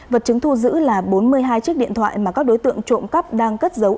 vật chứng thu giữ là bốn mươi hai chiếc điện thoại mà các đối tượng trộm cắp đang cất giấu